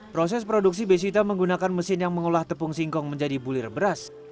proses produksi besita menggunakan mesin yang mengolah tepung singkong menjadi bulir beras